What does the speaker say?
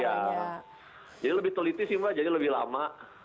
iya jadi lebih teliti sih mbak jadi lebih lama